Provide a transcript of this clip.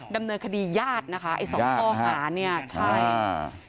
ดำเนินคดีญาตินะคะไอ้สองข้อหาเนี่ยใช่อ่า